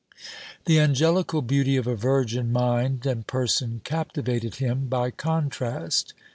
The angelical beauty of a virgin mind and person captivated him, by contrast.